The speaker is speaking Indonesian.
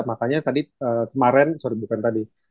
makanya tadi kemarin sorry bukan tadi